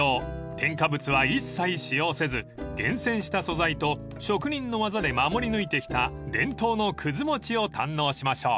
［添加物は一切使用せず厳選した素材と職人の技で守り抜いてきた伝統の久寿餅を堪能しましょう］